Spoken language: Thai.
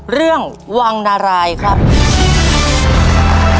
เรื่องวังนารายครับ